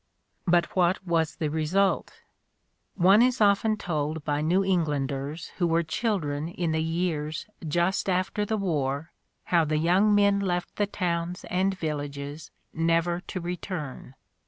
But what was the result? One is often told by New Englanders who were children in the years just after the war how the young men left the towns and villages never to return.